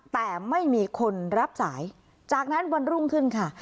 แต่ไม่มีคนรับสายจากนั้นวันรุ่งขึ้นค่ะ